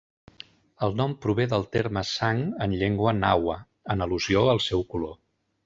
El nom prové del terme sang en llengua nahua, en al·lusió al seu color.